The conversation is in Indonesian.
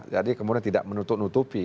jadi kemudian tidak menutup nutupi